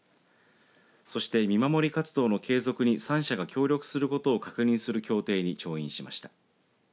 そして、見守り活動の継続に３社が協力することを確認する協定に調印しました。